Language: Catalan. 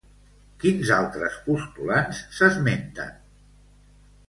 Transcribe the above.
Quins altres postulants s'esmenten?